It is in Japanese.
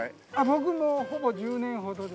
僕もうほぼ１０年ほどです。